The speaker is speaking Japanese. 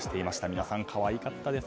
皆さん、可愛かったです